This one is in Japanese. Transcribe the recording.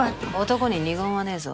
男に二言はねぇぞ。